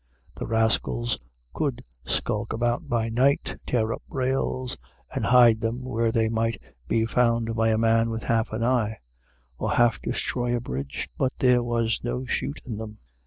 The rascals could skulk about by night, tear up rails, and hide them where they might be found by a man with half an eye, or half destroy a bridge; but there was no shoot in them.